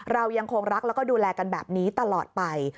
เรายังคงรักแล้วก็ดูแลกันแบบนี้ตลอดไป